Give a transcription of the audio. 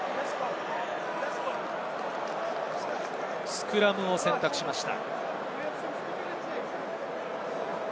スクラムを選択しました。